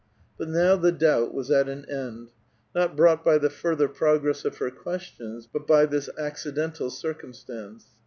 But now the doubt was at an end ; not brought by the further progress of her questions, but by this acci dental circumstance.